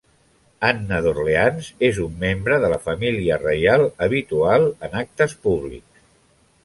Anna d'Orleans és un membre de la Família Reial habitual en actes públics.